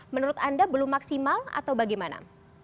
menurut anda belum maksimal atau bagaimana